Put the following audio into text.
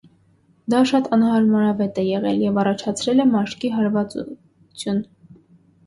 Դա շատ անհարմարավետ է եղել և առաջացրել է մաշկի հարվածություն։